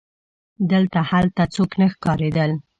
دلته هلته څوک نه ښکارېدل.